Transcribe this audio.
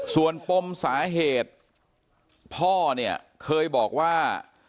ส่วนปมสาเหตุพ่อเนี่ยเคยบอกว่า